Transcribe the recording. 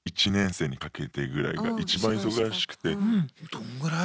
どんぐらい？